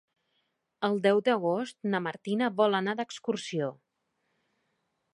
El deu d'agost na Martina vol anar d'excursió.